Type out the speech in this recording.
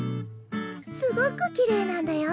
すごくきれいなんだよ。